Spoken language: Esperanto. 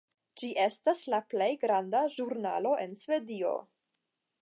Ĝi estas la plej granda ĵurnalo en Svedio.